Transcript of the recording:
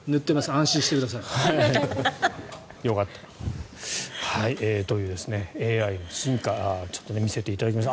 安心してください。よかった。というＡＩの進化ちょっと見せていただきました。